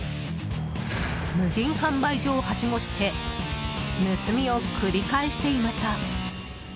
無人販売所をはしごして盗みを繰り返していました。